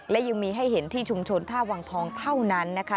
และยังมีให้เห็นที่ชุมชนท่าวังทองเท่านั้นนะคะ